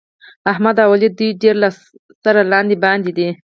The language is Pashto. احمد او علي دوی ډېر سره لاندې باندې دي.